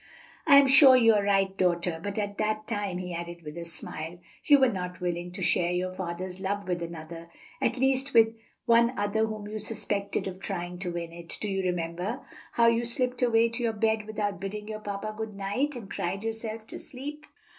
"I am sure you are right, daughter, but at that time," he added with a smile, "you were not willing to share your father's love with another; at least with one other whom you suspected of trying to win it. Do you remember how you slipped away to your bed without bidding your papa good night, and cried yourself to sleep?"